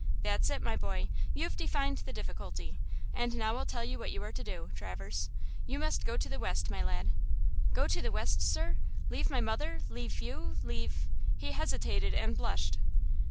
"That's it, my boy! You've defined the difficulty! And now I'll tell you what you are to do, Traverse! You must go to the West, my lad!" "Go to the West, sir–leave my mother–leave you–leave"–he hesitated and blushed.